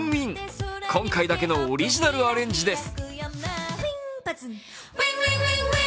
今回だけのオリジナルアレンジです。